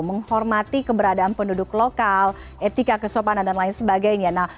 menghormati keberadaan penduduk lokal etika kesopanan dan lain sebagainya